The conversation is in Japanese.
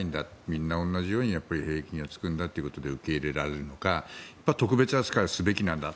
みんな同じように兵役には就くんだということで受け入れられるのか特別扱いするべきなんだ